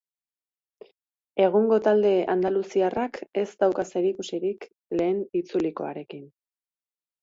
Egungo talde andaluziarrak ez dauka zerikusirik lehen itzulikoarekin.